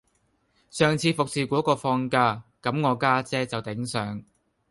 上次服侍果個放假,咁我家姐就頂上